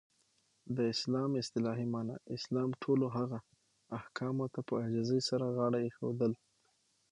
د اسلام اصطلاحی معنا : اسلام ټولو هغه احکامو ته په عاجزی سره غاړه ایښودل.